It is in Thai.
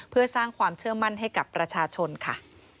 เพื่อสร้างความเชื่อมั่นให้กับประชาชนค่ะ